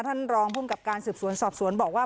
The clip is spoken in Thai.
ท่านรองภูมิกับการสืบสวนสอบสวนบอกว่า